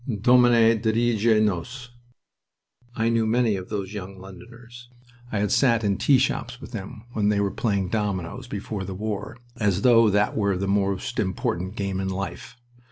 "Domine, dirige nos!" I knew many of those young Londoners. I had sat in tea shops with them when they were playing dominoes, before the war, as though that were the most important game in life.